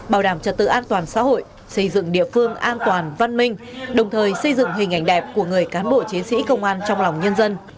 bảo đảm trật tự an toàn xã hội xây dựng địa phương an toàn văn minh đồng thời xây dựng hình ảnh đẹp của người cán bộ chiến sĩ công an trong lòng nhân dân